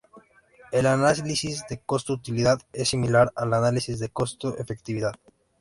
El análisis de costo-utilidad es similar al análisis de costo-efectividad.